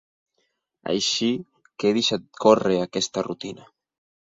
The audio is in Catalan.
Així que he deixat córrer aquesta rutina.